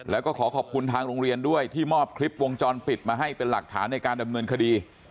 แล้วก็ขอขอบคุณทางโรงเรียนด้วยที่มอบคลิปวงจรปิดมาให้เป็นหลักฐานในการดำเนินคดี